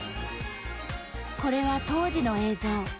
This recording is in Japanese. これは当時の映像。